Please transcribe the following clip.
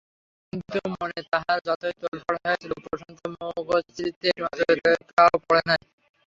কিন্তু মনে তাঁহার যতই তোলপাড় হইয়াছিল, প্রশান্ত মুখশ্রীতে একটিমাত্র রেখাও পড়ে নাই।